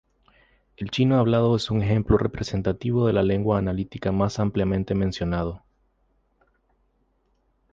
El chino hablado es el ejemplo representativo de lengua analítica más ampliamente mencionado.